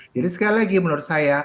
jadi sekali lagi menurut saya